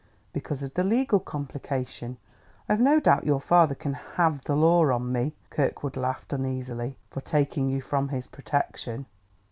"Because of the legal complication. I've no doubt your father can 'have the law on me'" Kirkwood laughed uneasily "for taking you from his protection."